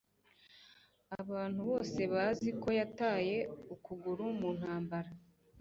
abantu bose bazi ko yataye ukuguru mu ntambara